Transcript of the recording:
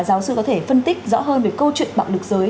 giáo sư có thể phân tích rõ hơn về câu chuyện bạo lực giới